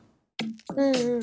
うんうん。